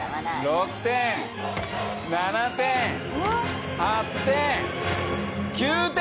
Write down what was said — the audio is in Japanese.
６点７点８点９点！